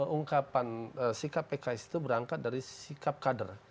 ungkapan sikap pks itu berangkat dari sikap kader